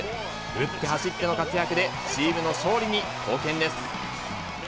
打って、走っての活躍で、チームの勝利に貢献です。